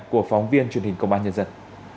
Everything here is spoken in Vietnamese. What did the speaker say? của phóng viên truyền hình công an nhân dân